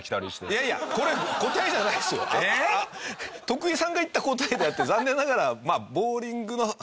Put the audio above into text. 徳井さんが言った答えだって残念ながらボウリングの始まりじゃないと思う。